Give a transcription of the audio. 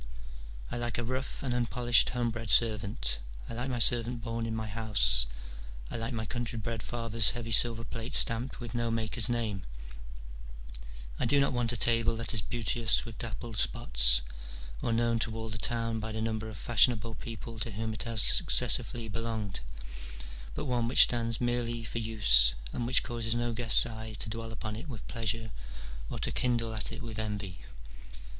I like ^ a rough and unpolished homebred servant, I like my servant born in my house : I like my country bred father's heavy silver plate stamped with no maker's name : I do not want a table that is beauteous with dappled spots, or known to all the town by the number of fashionable people to whom it has successively belonged, but one which stands merely for use, and which causes no guest's eye to dwell upon it with pleasure or to kindle at it with envy.